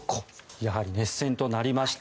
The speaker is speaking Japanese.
やはり熱戦となりました。